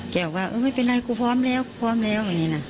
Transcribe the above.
แกออกว่าไม่เป็นไรกูพร้อมแล้ว